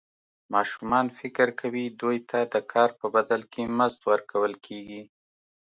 ماشومان فکر کوي دوی ته د کار په بدل کې مزد ورکول کېږي.